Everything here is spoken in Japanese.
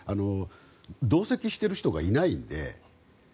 同席している人がいないので。